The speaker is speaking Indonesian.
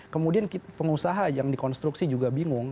kemudian pengusaha yang dikonstruksi juga bingung